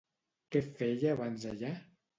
Què feia abans allà?